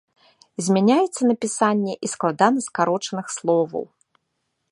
Змяняецца напісанне і складанаскарочаных словаў.